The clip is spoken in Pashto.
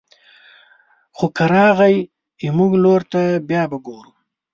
خو که راغی زموږ لور ته بيا به ګوري